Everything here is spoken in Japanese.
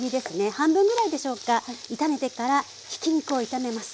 半分ぐらいでしょうか炒めてからひき肉を炒めます。